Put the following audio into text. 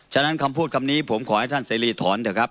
ฉะนั้นคำพูดคำนี้ผมขอให้ท่านเสรีถอนเถอะครับ